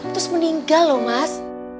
terus meninggal loh mas